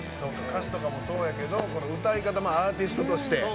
歌詞とかもそうやけど歌い方もアーティストとして。